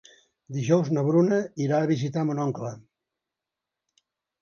Dijous na Bruna irà a visitar mon oncle.